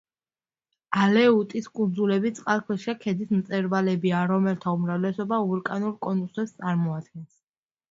ალეუტის კუნძულები წყალქვეშა ქედის მწვერვალებია, რომელთა უმრავლესობა ვულკანურ კონუსებს წარმოადგენს.